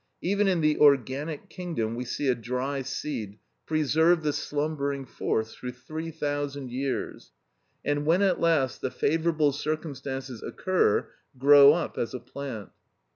Even in the organic kingdom we see a dry seed preserve the slumbering force through three thousand years, and when at last the favourable circumstances occur, grow up as a plant.